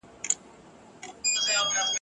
بس تیندکونه خورمه !.